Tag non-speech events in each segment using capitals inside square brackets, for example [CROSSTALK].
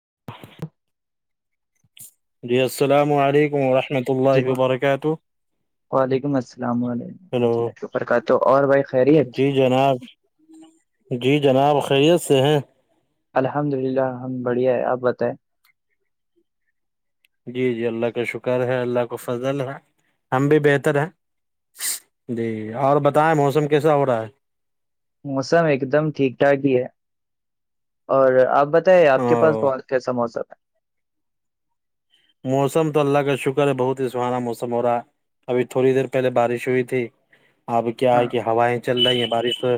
[INAUDIBLE] جی السلام علیکم ورحمۃ جی اللہ و- وبرکاتہ وعلیکم السلام علیکم ہیلو رحمۃ اللہ وبرکاتہ اور بھائی خیریت جی جناب جی جناب خیریت [INAUDIBLE] الحمد للہ ہم بڑھیا ہے آپ بتائیں جی جی اللہ کا شکر ہے اللہ کا فضل ہے ہم بھی بہتر ہیں جی اور بتائیں موسم کیسا ہو رہا ہے موسم ایک دم ٹھیک ٹھاک ہی ہے اور آپ بت ے ہے آپ کے پاس او اور کیسا موسم ہے موسم تو اللہ کا شکر ہے بہت ہی سہانا موسم ہو رہا ہے ابھی تھوڑی دیر پہلے بارش ہوئی تھی اب کیا ہے کہ ہوائیں چل رہی ہے بارش تو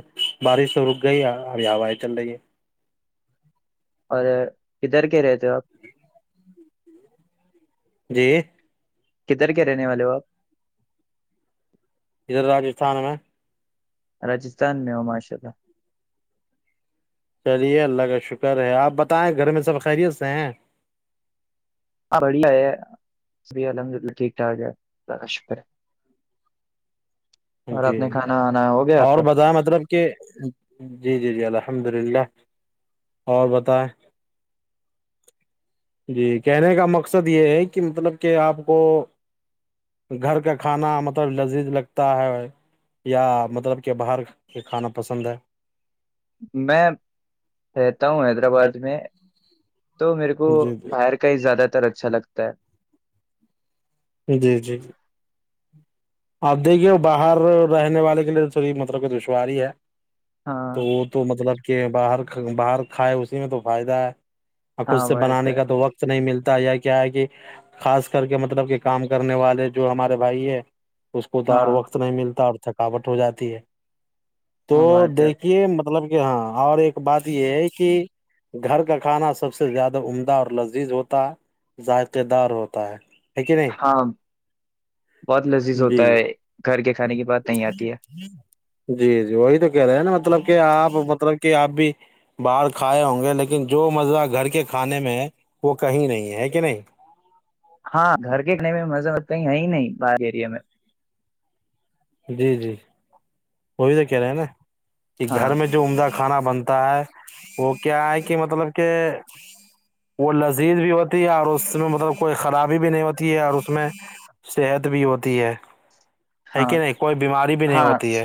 بارش تو رک گئی ہے اب ہوایے چل رہی ہے اور کدھر کے رہتے ہو آپ جی کدھر کے رہنے والے ہو آپ ادھر راجستھان میں راجستھان میں ہو ماشاء اللہ چلیے اللہ کا شکر ہے آپ بتائیں گھر میں سب خیریت سے ہیں ہاں بڑھیا ہے ابھی الحمد للہ ٹھیک ٹھاک ہے اللہ کا شکر ہے اور جی آپ نے کھانا آنا ہو گیا آپ اور کا بتائیں مطلب کہ جی جی جی اللہ الحمد للہ اور بتائیں جی کہنے کا مقصد یہ ہے کہ مطلب کہ آپ کو گھر کا کھانا مطلب لذیذ لگ تا ہے یا مطلب کہ باہر کے کھانا پسند ہے میں رہتا ہوں حیدرآباد میں تو میرے کو جی جی باہر کا ہی زیادہ بڑا اچھا لگتا ہے جی جی جی آپ دیکھیے باہر رہنے والے کے لیے تھوڑی مطلب کہ دشواری ہے تو ہاں وہ تو مطلب کہ باہر باہر کھائے اسی میں تو فائدہ ہے اور خود ہاں سے وہ بنانے ہے کا تو وقت نہیں ملتا یا کیا ہے کہ خاص کر کے مطلب کہ کام کرنے والے جو ہمارے بھائی ہے اس کو تو ہاں اور وقت نہیں ملتا تھکاوٹ ہو جاتی ہے تو ہاں بات ہے دیکھیے مطلب ہاں اور ایک بات یہ ہے کہ گھر کا کھانا سب سے زیادہ عمدہ اور لذیذ ہوتا ذائقے دار ہوتا ہے ہے کہ نہیں ہاں بہت لذیذ جی ہوتا ہے گھر کے کھانے کی بات نہیں آتی ہے جی جی وہی تو کہہ رہے ہیں نا مطلب کہ آپ مطلب کہ آپ بھی باہر کھائے ہوں گے لیکن جو مزہ گھر کے کھانے میں ہے وہ کہیں نہیں ہے ہے کہ نہیں ہاں گھر کےکھانے کا مزہ کہیں ہے ہی نہیں باہر اییرے میں جی جی وہ بھی تو کہہ رہے ہیں نا کہ ہاں گھر میں جو عمدہ کھانا بنتا ہے وہ کیا ہے کہ مطلب کہ وہ لذیذ بھی ہوتی ہے اور اس میں مطلب کوئی خرابی بھی نہیں ہوتی ہے اور اس میں صحت بھی ہوتی ہے ہے ہاں کہ نہیں کوئی بیماری بھی نہیں ہاں ہوتی ہے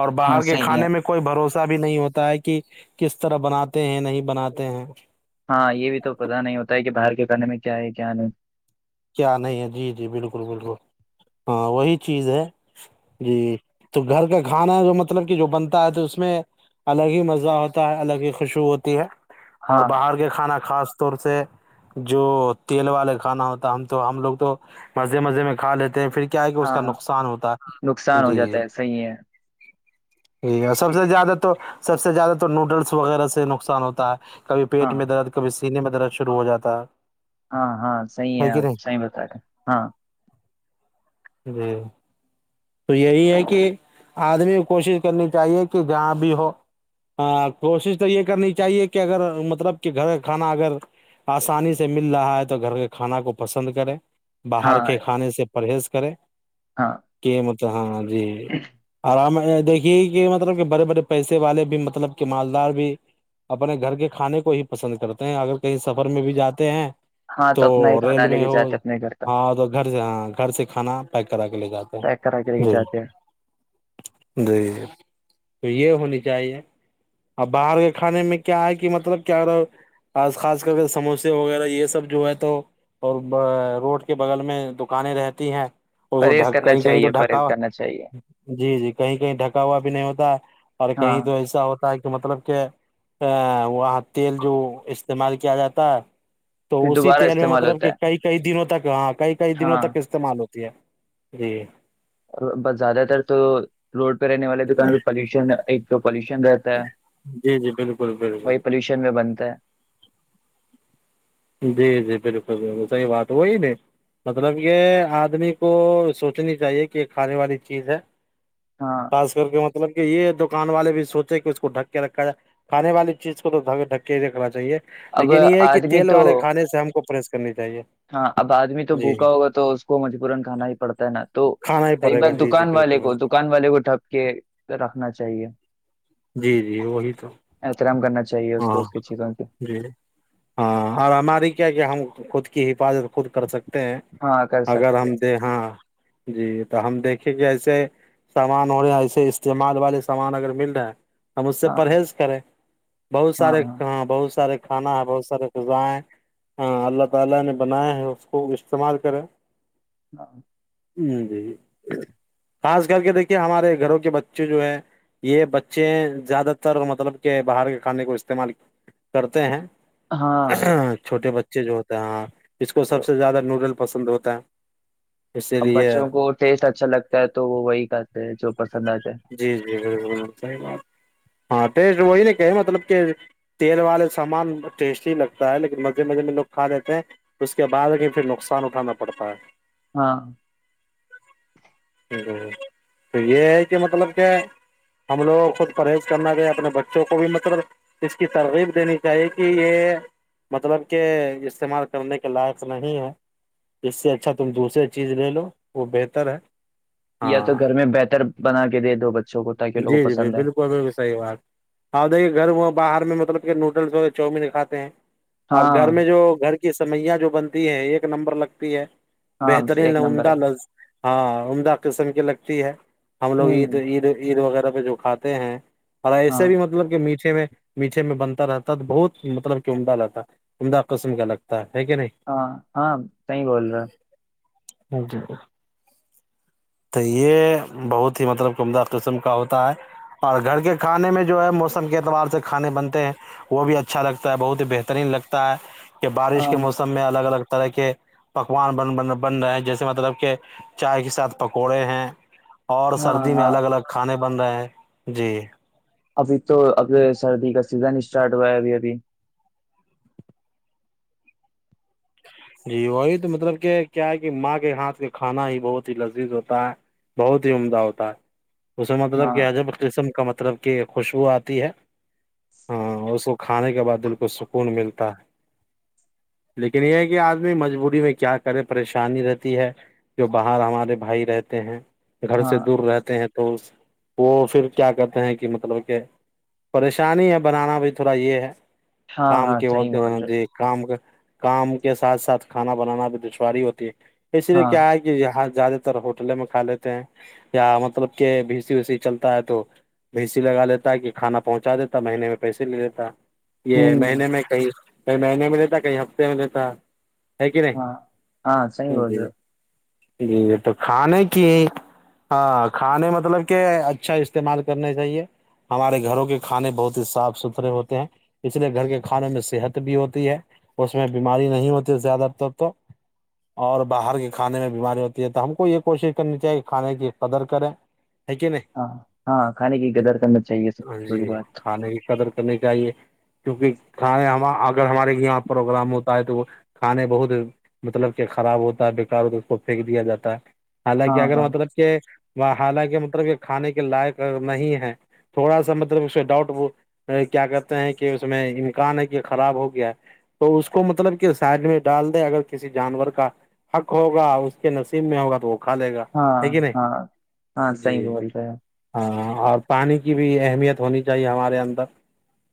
اور ہاں باہر کے صحیح ہے کھانے میں کوئی بھروسہ ایسا بھی نہیں ہوتا ہے کہ کس طرح بناتے ہیں نہیں بناتے ہیں ہاں یہ بھی تو پتا نہیں ہوتا ہے کہ باہر کے کانے میں کیا ہے کیا نہیں کیا نہیں ہے جی جی بالکل بالکل ہاں وہی چیز ہے جی تو گھر کا کھانا جو مطلب کہ جو بنتا ہے تو اس میں الگ ہی مزہ ہوتا ہے الگ ہی خوشبو ہوتی ہے اور ہاں باہر کے کھانا کاص طور سے جو تیل والے کھانا ہوتے ہم تو ہم لوگ تو مزے مزے میں کا لیتے ہیں پھر کیا ہے کہ اس کا ہاں نقصان ہوتا ہے نقصان ہو جی جاتا ہے صحیح ہے ہے سب سے زیادہ تو سب سے زیادہ تو نوڈلس وغیرہ سے نقصان ہوتا ہے کبھی پیٹ ہاں میں درد کبھی سینے میں درد شروع ہو جاتا ہاں ہاں صحیح ہے کہ نہیں صحیح بت گ ہاں جی تو یہی ہے کہ آدمی کو کوشش کرنی چاہیے کہ جہاں بھی ہو کوشش تو یہ کرنی چاہیے کہ اگر مطلب کہ گھر کا کھانا اگر آسانی سے مل رہا ہے تو گھر کے کھانا کو پسند کرے ہاں باہر کے کھانے سے پریز کریں ہاں کہ مطلب جاں جی آرام دیکھیے کہ مطلب کہ بڑے بڑے پیسے والے بھی مطلب کہ مالدار بھی اپنے گھر کے کھانے کو ہی پسند کرتے ہیں اگر کہیں سفر میں بھی جاتے ہیں ہاں تو اپنا ہی کھانا ریل لے میں کے ہو جاتے اپنے گھر کا ہاں تو گھر سے ہاں گھر سے کانا پ کرا کے لے جاتے پیک کرا کے لے ہیں کے جی جاتے ہیں جی تو یہ ہونی چاہیے اور باہر کے کھانے میں کیا ہے کہ مطلب کیا آ خاص کر کے سموسے وغیرہ یہ سب جو ہے تو اور روڈ کے بغل میں دکانیں رہتے ت ہیں اس کو پرہیز کرنا کہیں کہیں تو چاہیے ڈکا پرہیز ہوا کرنا چاہیے جی جی کہیں کہیں ڈھکا ہوا بھی نہیں ہوتا اور ہاں کہیں تو ایسا ہوتا ہے کہ کہ مطلب کہ ا وہاں تیل جو استعمال کیا جاتا ہے تو پھر اسی دوبارہ تیل میں استعمال مطلب کہ ہوتا کئی کئی دنوں تک ہاں کئی کئی ہے دنوں ہاں تک استعمال ہوتی ہے جی بس زیادہ تر تو روڈ پہ رہنے والے دکان پالوشن ایک تو پالشن رہتا ہے جی جی بالکل بالکل وہی پولوشن میں بنتا [UNINTELLIGIBLE] ت [UNINTELLIGIBLE] جی جی بالکل بالکل صحیح بات وہی نہیں مطلب کہ آدمی کو سوچنی چاہیے کہ یہ کھانے والی چیز ہے ہاں خاص کر کے مطلب کہ یہ دکان والے بھی سوچے کہ اس کو ڈھک کے رکھا جائے کھانے والی چیز کو تو ڈک کے ہی رکھنا چاہیے [UNINTELLIGIBLE] اب یہ ہے کہ آدمی [UNINTELLIGIBLE] تیل والے کانے سے ہم [UNINTELLIGIBLE] کو پرریس کرنی [UNINTELLIGIBLE] ہاں اب آدمی تو جی بھوکا ہوگا تو اس کو مجبورن کھانا ہی پڑتا ہے نا تو کھانا ہی کئی پڑے گا بات جی جی دکان بالکل والے کو بالکل دکان والے کو ٹپ کے رکھنا چاہیے جی جی وہی تو [UNINTELLIGIBLE] احترام کرنا چاہیے اس کو ہاں اس کی چیزوں کی جی ہاں اور ہماری کیا کیا ہم خود [UNINTELLIGIBLE] حفاظت [UNINTELLIGIBLE] خود کر سکتے ہیں ہاں کر اگر سکتے ہم ہیں د ہاں [UNINTELLIGIBLE] جی تو ہم دیکھیں کہ ایسے سامان ہو رہے ہیں ایسے استعمال والے سامان اگر مل رہے ہیں [UNINTELLIGIBLE] ہم اس سے ہاں پرہیز کریں [UNINTELLIGIBLE] بہت سارے ہاں بہت سارے [UNINTELLIGIBLE] ہاں [UNINTELLIGIBLE] ہ جی خاص کر کے دیکھیے ہمارے گھروں کے بچے جو ہے یہ بچے زیادہ تر مطلب کہ باہر [UNINTELLIGIBLE] کھانے کو استعمال کرتے ہیں [UNINTELLIGIBLE] ہاں چھوٹے بچے [UNINTELLIGIBLE] بیچے جو ہوتا ہے ہاں [UNINTELLIGIBLE] جو سب وہ- سے زیادہ نوڈل پسند ہوتا ہے اسی اب لیے بچوں کو ٹیسٹ اچھا لگتا ہے تو وہ وہی کتے ہیں جو پسند آتے جی جی بالکل صحیح بات ہاں ٹسٹ وہی کہ مطلب کہ تیل والے سامان ٹیسٹی لگتا ہے لیکن مزے مزے میں لوگ کھا لیتے ہیں اس کے بعد پھر نقصان اٹھانا پڑتا ہے ہاں تو یہ ہے کہ مطلب کہ ہم لوگوں خود پرہیز کرنا گے اپنے بچوں کو کو بھی مطلب اس کی ترغیب دینی چاہیے کہ یہ مطلب کہ استعمال کرنے کے لائق نہیں ہے اس سے اچھا تم دوسریے چیز لے لو وہ بہتر ہے یا ہاں تو گھر میں بہتر بنا کے دے دو بچے جی جی جی بالکل بالکل صحیح بات آپ دیکھیے گھر میں باہر میں مطلب کہ نوڈلذ وغیر چامین کھاتے ہیں آپ گھر ہاں میں جو گھر کی یہ سویا جو بنتی ہے ایک نمبر لگتی ہے ہاں بہترین ایک نمبر ہے عمدہ لفظ ہاں عمدہ قسم کی لگتی ہے ہم لوگ عید ہوں عید عید وغیرہ پہ جو کھاتے ہیں اور ایسے ہاں بھی مطلب کہ میٹ میٹے میں بنتا رہتا ہے تو بہت مطلب کہ عمدہ رہتا ہے عمدہ قسم کا لگتا ہے کہ نہیں ہاں ہاں صی بول رہے جی تو یہ بہت ہی مطلب کہ عمدہ قسم کا ہوتا ہے اور گھر کے کھانے میں جو ہے موسم کے اعتبار سے کھانے بنتے ہیں وہ بھی اچھا لگتا ہے بہت ہی بہترین لگتا ہے کہ بارش ہاں کے موسم میں الگ الگ طرح کے پکوان بن بن رہے ہیں جیسے مطلب کہ چائے کے ساتھ پکوڑے ہیں اور ہاں سردی میں ہاں الگ الگ بن رہا ہیں جی ابھی تو اب سردی کا سیزن اسٹارٹ ہوا ہے ابھی ابھی جی وہی تو مطلب کہ کیا ہے کہ ماں کے ہاتھ کا کھانا ہی بہت ہی لذیذ ہوتا ہے بہت ہی عمدہ ہوتا ہے اس کا مطلب ہاں کہ ہر قسم کی خوشبو آتی ہے ہاں اس کو کھانے کے بعد دل کو سکون ملتا ہے لیکن یہ یہ آدمی مجبوری میں کیا کرے پریشانی رہتی ہے جو باہر ہمارے بھائی رہتے ہیں گھر سے ہاں دور رہتے ہیں تو وہ پھر کیا کہتے ہیں کہ مطلب کہ پریشانی ہے بنانا بھی تھوڑا یہ ہے ہاں کام ہاں کے صحیح وقت بول رہے جی کام کا کام کے ساتھ ساتھ کھانا بنانا بھی دشواری ہوتی ہے اس لیے ہاں کیا ہے کہ جاز زیادہ تر ہوٹلے میں کھا لیتے ہیں یا مطلب کہ بھیسی ویسی چلتا ہے تو بھیسیی لگا لیتا ہے کہ کھانا پہنچا دیتا ہے مہینے میں پیسے لے لیتا یہ ہوں مہینے میں کہیں کئی مہینے میں لیتا کئی ہفتے میں دیتا ہاں ہاں صی بول رہے ہو ج یہ تو کھانے کی ہاں کھانے مطلب کہ اچھا استعمال کرنا چاہیے ہمارے گھروں کے کھانے بہت ہی صاف ستھرے ہوتے ہیں اس لیے گھر کے کھانوں میں صحت بھی ہوتی ہے اس میں بیماری نہیں ہوتی زیادہ تر تو اور باہر کے کھانے میں بیماری ہوتی ہے تو ہم کو یہ کوشش کرنی چاہیے کہ کھانے کی قدر کریں ہے کیا نہیں ہاں ہاں کھانے کی قدر کرنا چاہیے سب سے جی بڑی بات کھانے کی قدر تو نہیں چاہیے کیونکہ کھانے ہم آگ اگر ہمارے یہاں پروگرام ہوتا ہے تو وہ کھانے بہت مطلب کہ خراب ہوتا ہے بیکار ہوتا ہے اس کو پھینک دیا جاتا ہے حالانکہ ہاں اگر ہاں مطلب کہ وہ حالانکہ مطلب یہ کھانے کے لائق نہیں ہے تھوڑا سا مطلب اس ڈاؤٹ و کیا کہتے ہیں کہ اس میں امکان ہے کہ خراب ہو گیا ہے تو اس کو مطلب سائڈ میں ڈال دے اگر کسی جانور کا حق ہوگا اس کے نصیب میں ہوگا تو وہ کھا لے گا ہاں ہے کہ نہیں ہاں ہاں جی صحیح بول رہے ہو ہاں اور پانی کی بھی اہمیت ہونی چاہیے ہمارے اندر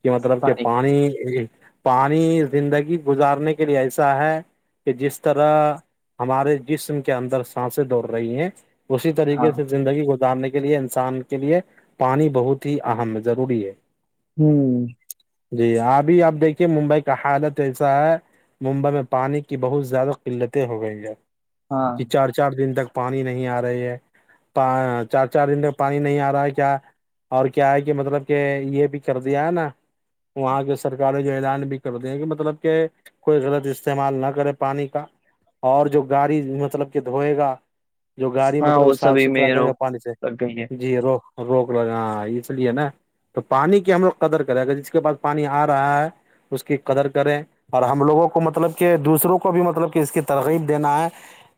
کہ مطلب کہ پانی پانی زندگی گزارنے کے لیے ایسا ہے کہ جس طرح ہمارے جسم کے اندر سانسیں دوڑ رہی ہیں اسی ہاں طریقے سے زندگی گزارنے کے لیے انسان کے لیے پانی بہت ہی اہم ہے ضروری ہے ہوں جی ابھی اب دیکھیے ممبئی کا حالت ایسا ہے ممبئی میں پانی کی بہت زیادہ قلتیں ہو گئی ہیں ہاں ج چار چار دن تک پانی نہیں آ رہی ہے چار چار دن میں پانی نہیں آ رہا ہے کیا اور کیا ہے کہ مطلب کہ یہ بھی کر دیا ہے نا وہاں کی سرکار جو اعلان بھی کر د ہیں کہ مطلب کہ کوئی غلط استعمال نہ کرے پانی کا اور جو گاڑی مطلب کہ دھوئے گا جو گاڑی ہاں مطلب وہ صاف سبھی میں ستھرا کرے گا روک پانی سے لگ گئی ہے جی روک روک لگے ہاں اس لیے نا تو پانی کی ہم لوگ قدر کریں اگر جس کے پاس پانی آ رہا ہے اس کی قدر کریں اور ہم ہم لوگوں کو مطلب کہ دوسروں کو بھی مطلب کہ اس کی ترغیب دینا ہے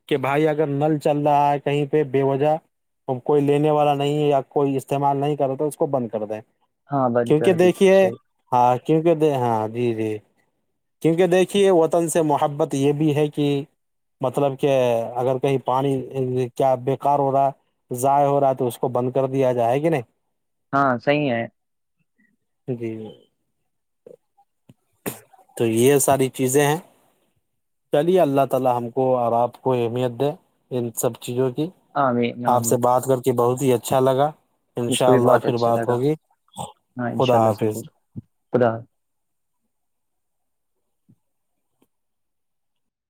کہ بھائی اگر نل چل رہا ہے کہیں پہ بے وجہ کوئی لینے والا نہیں یا کوئی استعمال نہیں کر رہا تو اس کو بند کر دیں ہاں بند کیونکہ کر دی اچھا دیکھیے ہے، ہاں کیونکہ د ہاں جیڑی کیونکہ دیکھیے وطن سے محبت یہ بھی ہے کہ مطلب کہ اگر کہیں پانی کیا بیکار ہو رہا ہے ضائع ہو رہا ہے تو اس کو بند کر دیا جائے گی نہیں ہاں صحیح ہے جی تو یہ ساری چیزیں ہیں پہلے اللہ تعالی ہم کو اور اپ کو اہمیت دے ان سب چیزوں ج آمین آپ سے آمین بات کر کے بہت ا ہی اچھا لگا ان مجھ کو شاء بھی اللہ بہت پھر اچھا بات لگا ہوگی ہاں انشاء خدا اللہ حافظ ضرور ہو خدا